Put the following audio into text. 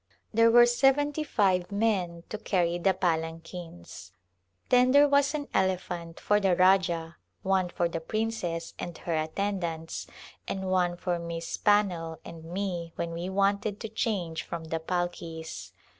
There were seventy five men to carry the palanquins. Then there was an elephant for the Rajah, one for the princess and her attendants, and one for Miss Pannell and me when we wanted to change from the palkis.